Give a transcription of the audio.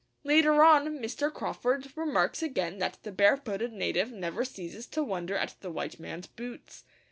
Later on, Mr. Crawford remarks again that the barefooted native never ceases to wonder at the white man's boots.